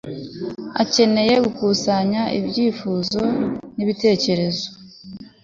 akenewe gukusanya ibyifuzo n ibitekerezo